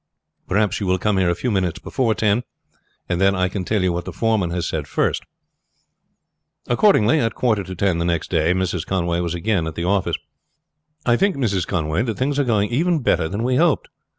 Perhaps you will come here a few minutes before ten, and then I can tell you what the foreman has said first." Accordingly at a quarter to ten the next day Mrs. Conway was again at the office. "I think, Mrs. Conway, that things are going even better than we hoped.